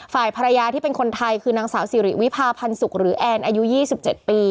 ฝ่ายภรรยาที่เป็นคนไทยคือนางสาวสิริวิพาพันธ์สุขหรือแอนอายุ๒๗ปี